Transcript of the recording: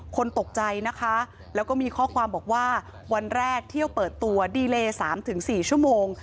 คนตกใจนะคะแล้วก็มีข้อความบอกว่าวันแรกเที่ยวเปิดตัวดีเล๓๔ชั่วโมง